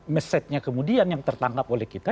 mesejnya kemudian yang tertangkap oleh kita